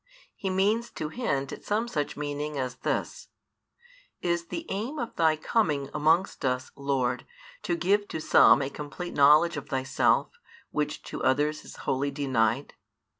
he means to hint at some such meaning as this: Is the aim of Thy coming amongst us, Lord, to give to some a complete knowledge of Thyself, which to others is wholly denied?